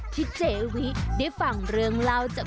ที่เจวิได้ฟังเรื่องเล่าจาก